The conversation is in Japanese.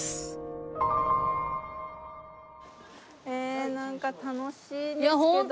えなんか楽しいんですけど。